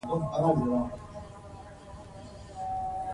د ولس ترمنځ د باور فضا رامنځته کړئ.